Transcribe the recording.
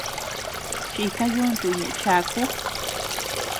Chika yuntu ñeʼe chaku.